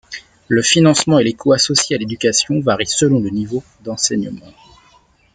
Le financement et les coûts associés à l'éducation varient selon le niveau d'enseignement.